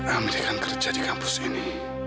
kami akan kerja di kampus ini